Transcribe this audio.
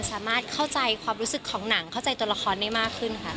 สามารถเข้าใจความรู้สึกของหนังเข้าใจตัวละครได้มากขึ้นค่ะ